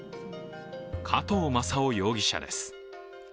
加藤正夫容疑者です。